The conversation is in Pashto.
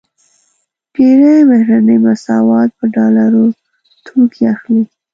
ډېری بهرني موسسات په ډالرو توکې اخلي.